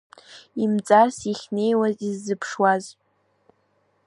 Имҵарс иахьнеиуа иззыԥшуаз.